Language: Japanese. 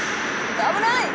危ない！